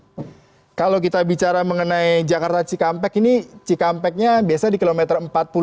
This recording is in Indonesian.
kemudian juga kalau kita bicara mengenai jakarta cikampek ini cikampeknya biasanya di kilometer empat puluh delapan